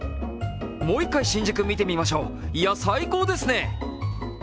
もう１回新宿見てみましょう、いや、最高ですね。